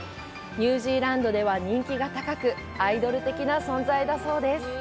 ニュージーランドでは人気が高く、アイドル的な存在だそうです。